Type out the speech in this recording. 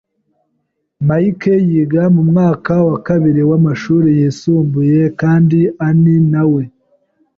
Mike yiga mu mwaka wa kabiri w'amashuri yisumbuye kandi Ann nawe.